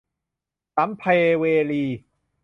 สัพเพเวรี